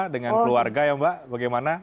dengan keluarga ya mbak bagaimana